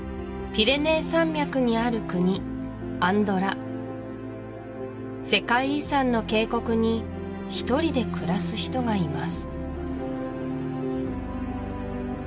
ピレネー山脈にある国アンドラ世界遺産の渓谷に１人で暮らす人がいます